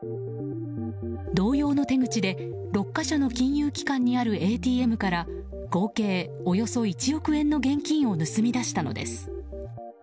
同様の手口で６か所の金融機関にあるＡＴＭから合計およそ１億円の現金を盗み出したのです。